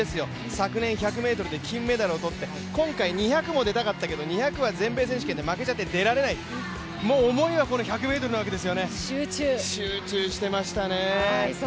昨年１００ｍで金メダルを取って、今回２００もちろん出たかったけど、２００は全米選手権で負けちゃって出られない、もう思いはこの１００ｍなわけですよね、集中していましたね。